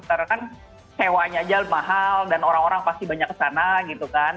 karena kan sewanya aja mahal dan orang orang pasti banyak kesana gitu kan